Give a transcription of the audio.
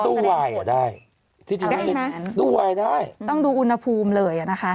ได้นะตู้วายได้ต้องดูอุณหภูมิเลยนะคะ